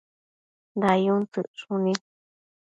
dayun tsëcshuni